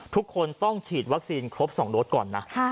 ทุกคนต้องฉีดวัคซีนครบ๒โดสก่อนนะ